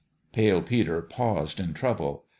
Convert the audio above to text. Pale Peter paused in trouble.